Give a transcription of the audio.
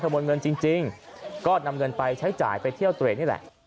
มวลเงินจริงก็นำเงินไปใช้จ่ายไปเที่ยวเตรดนี่แหละ